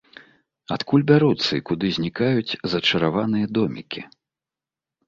Адкуль бяруцца і куды знікаюць зачараваныя домікі?